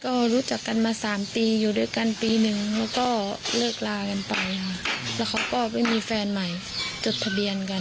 ก็รู้จักกันมาสามปีอยู่ด้วยกันปีหนึ่งแล้วก็เลิกลากันไปค่ะแล้วเขาก็ไม่มีแฟนใหม่จดทะเบียนกัน